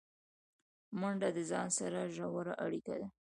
منډه د ځان سره ژوره اړیکه ده